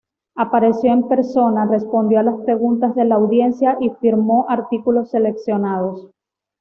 Apareció en persona, respondió a las preguntas de la audiencia y firmó artículos seleccionados.